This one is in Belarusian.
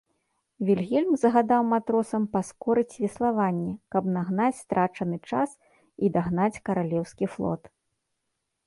Вільгельм загадаў матросам паскорыць веславанне, каб нагнаць страчаны час і дагнаць каралеўскі флот.